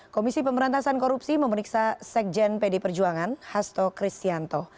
komisi pemberantasan korupsi memeriksa sekjen pd perjuangan hasto kristianto